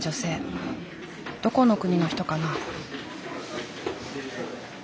どこの国の人かな？